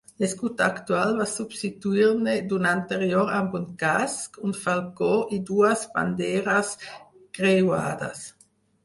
L'escut actual va substituir-ne un d'anterior amb un casc, un falcó i dues banderes creuades.